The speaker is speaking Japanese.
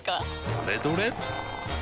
どれどれっ！